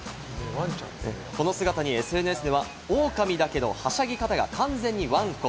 この姿にＳＮＳでは、オオカミだけれど、はしゃぎ方が完全にワンコ。